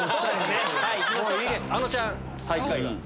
あのちゃん最下位は？